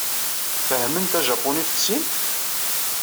Fehhmen tajapunit deg sin?